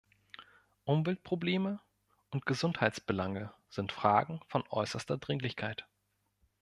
Umweltprobleme und Gesundheitsbelange sind Fragen von äußerster Dringlichkeit.